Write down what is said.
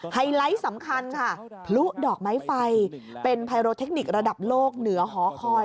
ไฮไลท์สำคัญค่ะพลุดอกไม้ไฟเป็นไฮโรเทคนิคระดับโลกเหนือหอคอย